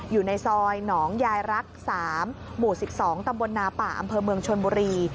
อยู่ในซอยหนองยายรัก๓หมู่๑๒ตำบลนาป่าอำเภอเมืองชนบุรี